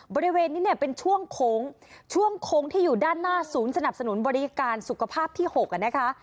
บริเวณนี้เนี่ยเป็นช่วงโค้งช่วงโค้งที่อยู่ด้านหน้าศูนย์สนับสนุนบริการสุขภาพที่๖นะคะ